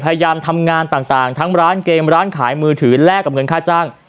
พยายามทำงานต่างทั้งร้านเกมร้านขายมือถือแลกกับเงินค่าจ้าง